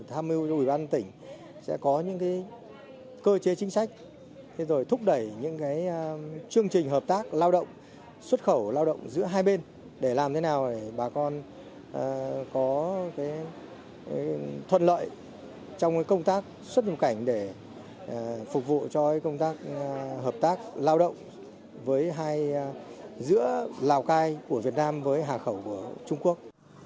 tham mưu cho ủy ban tỉnh sẽ có những cơ chế chính sách thúc đẩy những chương trình hợp tác lao động xuất khẩu lao động giữa hai bên để làm thế nào để bà con có thuận lợi trong công tác xuất nhập cảnh để phục vụ cho công tác hợp tác lao động giữa lào cai của việt nam với hạ khẩu của trung quốc